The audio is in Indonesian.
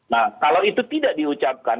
nah kalau itu tidak diucapkan